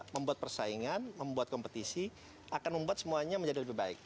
membuat persaingan membuat kompetisi akan membuat semuanya menjadi lebih baik